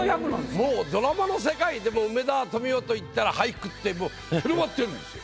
もうドラマの世界でも梅沢富美男といったら俳句ってもう広まってるんですよ。